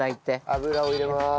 油を入れます。